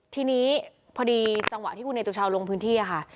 ทีนี้พอดีจังหวะที่คุณเนตุชาวลงพื้นที่ค่ะ